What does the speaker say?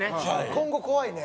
今後怖いね。